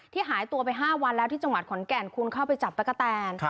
หายตัวไป๕วันแล้วที่จังหวัดขอนแก่นคุณเข้าไปจับตะกะแตน